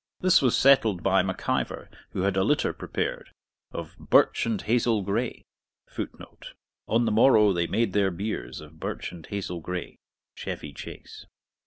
This was settled by Mac Ivor, who had a litter prepared, of 'birch and hazel grey,' [FOOTNOTE: On the morrow they made their biers Of birch and hazel grey. Chevy Chase.